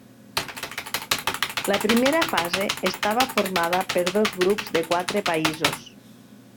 La primera fase estava formada per dos grups de quatre països.